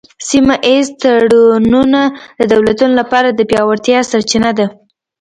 سیمه ایز تړونونه د دولتونو لپاره د پیاوړتیا سرچینه ده